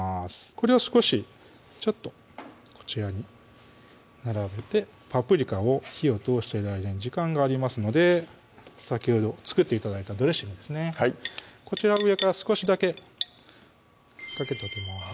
これを少しちょっとこちらに並べてパプリカを火を通している間に時間がありますので先ほど作って頂いたドレッシングですねこちらを上から少しだけかけておきます